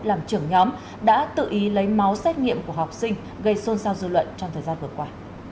làm trưởng nhóm đã tự ý lấy máu xét nghiệm của học sinh gây xôn xao dư luận trong thời gian vừa qua